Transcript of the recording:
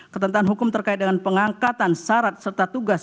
ketentuan hukum terkait dengan pengangkatan syarat serta tugas